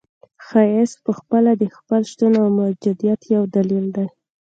ښایست پخپله د خپل شتون او موجودیت یو دلیل دی.